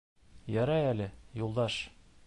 Ярай әле Юлдаш: